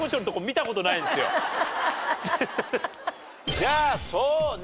じゃあそうね